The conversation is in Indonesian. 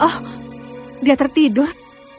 oh dia tertidur